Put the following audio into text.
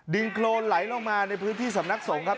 โครนไหลลงมาในพื้นที่สำนักสงฆ์ครับ